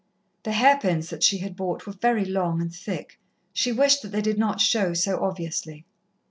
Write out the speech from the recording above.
The hair pins that she had bought were very long and thick. She wished that they did not show so obviously.